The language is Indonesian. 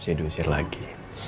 saya diusir lagi